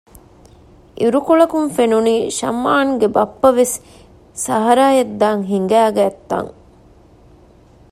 އިރުކޮޅަކުން ފެނުނީ ޝަމްއާންގެ ބައްޕަވެސް ސަހަރާއަށް ދާން ހިނގައިގަތްތަން